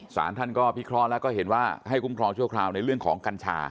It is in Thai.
สารท่านก็พิเคราะห์แล้วก็เห็นว่าให้คุ้มครองชั่วคราวในเรื่องของกัญชา